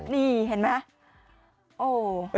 นี่เห็นไหม